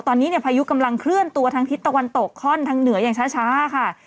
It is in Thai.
ตอนนี้เนี่ยพายุกำลังเคลื่อนตัวทางทิศตะวันตกคล่อนทางเหนืออย่างช้าค่ะ